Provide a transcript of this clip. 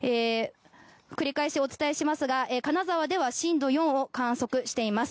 繰り返しお伝えしますが金沢では震度４を観測しています。